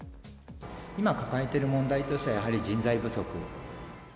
今抱えている問題としては、やはり人材不足。